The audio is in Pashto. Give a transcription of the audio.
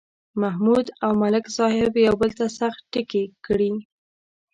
محمود او ملک صاحب یو بل ته سخت ټکي کړي.